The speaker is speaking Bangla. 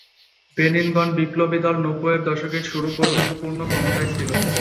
বেনিন গণ বিপ্লবী দল নব্বইয়ের দশকের শুরু পর্যন্ত পূর্ণ ক্ষমতায় ছিল।